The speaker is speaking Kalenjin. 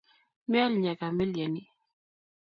Miel nyaka mielni